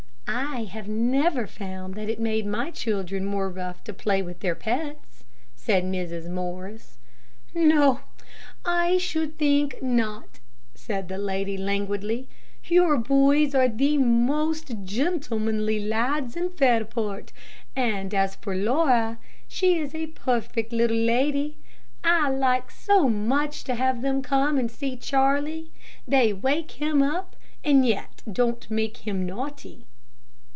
"I have never found that it made my children more rough to play with their pets," said Mrs. Morris. "No, I should think not," said the lady, languidly. "Your boys are the most gentlemanly lads in Fairport, and as for Laura, she is a perfect little lady. I like so much to have them come and see Charlie. They wake him up, and yet don't make him naughty."